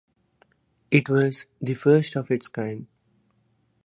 It was the first of its kind.